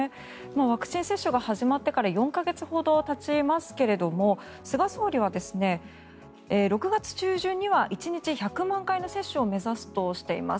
ワクチン接種が始まってから４か月ほどたちますが菅総理は６月中旬には１日１００万回の接種を目指すとしています。